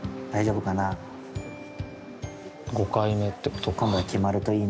５回目ってことか。